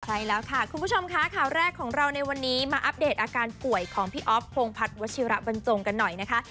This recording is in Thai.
ใช่แล้วค่ะคุณผู้ชมค่ะข่าวแรกของเราในวันนี้มาอัปเดตอาการป่วยของพี่อ๊อฟพงพัฒน์วัชิระบรรจงกันหน่อยนะคะ